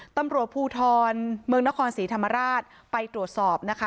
ตำรวจภูทรมือกอนสิรรภรรรดิไปตรวจสอบนะคะ